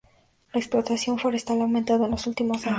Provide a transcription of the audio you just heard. La explotación forestal ha aumentado en los últimos años.